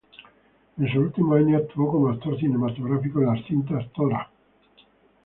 En sus últimos años actuó como actor cinematográfico en las cintas "Tora!